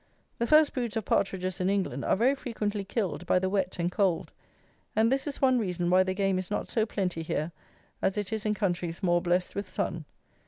The first broods of partridges in England are very frequently killed by the wet and cold; and this is one reason why the game is not so plenty here as it is in countries more blest with sun.